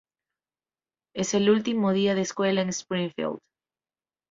Es el último día de escuela en Springfield.